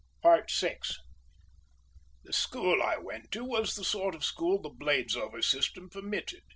VI The school I went to was the sort of school the Bladesover system permitted.